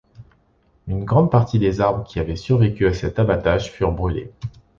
Une grande partie des arbres qui avaient survécu à cet abattage furent brûlés.